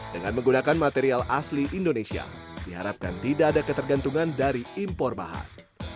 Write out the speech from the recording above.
dengan menggunakan material asli indonesia diharapkan tidak ada ketergantungan dari impor bahan